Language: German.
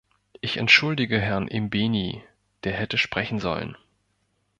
Ich entschuldige Herrn Imbeni, der hätte sprechen sollen.